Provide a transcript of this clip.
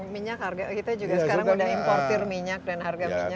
minyak harga kita juga sekarang sudah importer minyak dan harga minyak